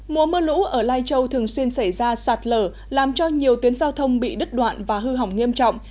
mùa mưa lũ ở lai châu thường xuyên xảy ra sạt lở làm cho nhiều tuyến giao thông bị đứt đoạn và hư hỏng nghiêm trọng